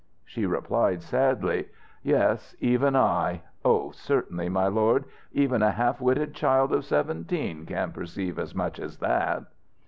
She replied, sadly: "Yes, even I! oh, certainly, my lord, even a half witted child of seventeen can perceive as much as that."